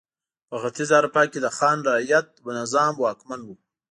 په ختیځه اروپا کې د خان رعیت نظام واکمن و.